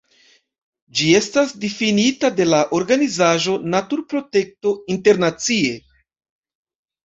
Ĝi estas difinita de la organizaĵo Naturprotekto Internacie.